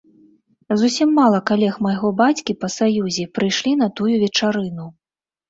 Зусім мала калег майго бацькі па саюзе прыйшлі на тую вечарыну.